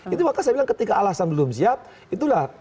itu maka saya bilang ketika alasan belum siap itulah